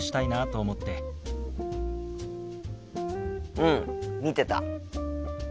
うん見てた。